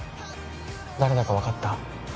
誰だか分かった？